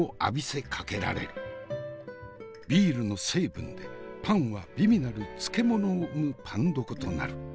ビールの成分でパンは美味なる漬物を生むパン床となる。